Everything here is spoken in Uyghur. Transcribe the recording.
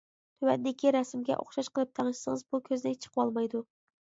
تۆۋەندىكى رەسىمگە ئوخشاش قىلىپ تەڭشىسىڭىز بۇ كۆزنەك چىقىۋالمايدۇ.